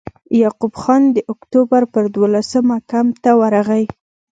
یعقوب خان د اکټوبر پر دولسمه کمپ ته ورغی.